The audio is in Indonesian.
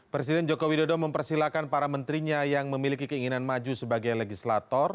presiden joko widodo mempersilahkan para menterinya yang memiliki keinginan maju sebagai legislator